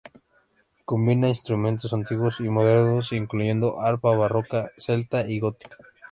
Combina instrumentos antiguos y modernos incluyendo arpa barroca, celta y gótica.